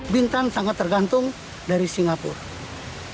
bintan sangat tergantung kepada kebijakan wisatawan asing dari singapura